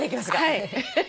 はい。